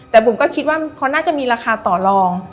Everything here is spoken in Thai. แต่บุ๋มก็คิดว่าเขาน่าจะมีราคาต่อลอง